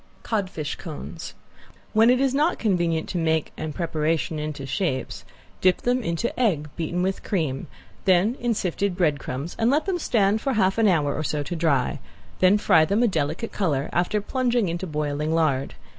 ~CODFISH CONES~ When it is not convenient to make and preparation into shapes, dip them into egg beaten with cream, then in sifted breadcrumbs and let them stand for half an hour or so to dry; then fry them a delicate color after plunging into boiling lard.